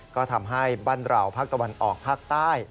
ก็ทำให้บ้านเราภาคตะวันออกภาคใต้